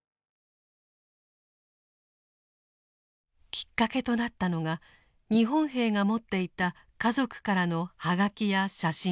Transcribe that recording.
きっかけとなったのが日本兵が持っていた家族からの葉書や写真です。